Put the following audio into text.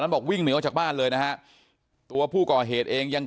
บอกวิ่งหนีออกจากบ้านเลยนะฮะตัวผู้ก่อเหตุเองยัง